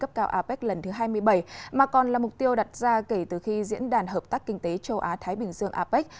cấp cao apec lần thứ hai mươi bảy mà còn là mục tiêu đặt ra kể từ khi diễn đàn hợp tác kinh tế châu á thái bình dương apec